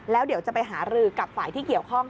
แล้วเดี๋ยวจะไปหารือกับฝ่ายที่เกี่ยวข้อง